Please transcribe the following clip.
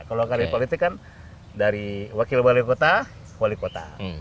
kalau karir politik kan dari wakil wali kota wali kota